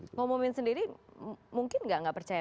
ngomongin sendiri mungkin nggak percaya